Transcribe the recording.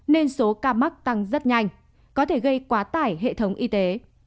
nên số ca mắc tăng rất nhanh có thể gây quá tải hệ thống y tế